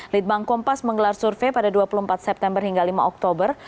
litbang kompas menggelar survei pada dua puluh empat september hingga lima oktober